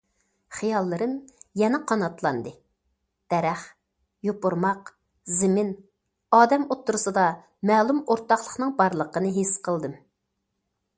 خىياللىرىم يەنە قاناتلاندى: دەرەخ، يوپۇرماق، زېمىن، ئادەم ئوتتۇرىسىدا مەلۇم ئورتاقلىقنىڭ بارلىقىنى ھېس قىلدىم.